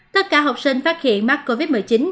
tất cả học sinh phát hiện mắc covid một mươi chín